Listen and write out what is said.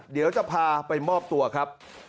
เดี๋ยวจะพาไปมอบตัวครับ